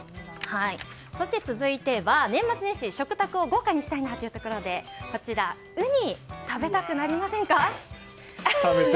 そして続いては年末年始、食卓を豪華にしたいなというところでウニ、食べたくなりませんか？